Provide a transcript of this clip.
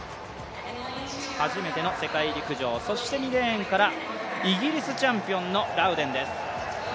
初めての世界陸上、そして２レーンからイギリスチャンピオンのラウデンです。